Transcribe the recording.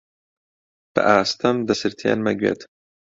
بەئاستەم دەسرتێنمە گوێت: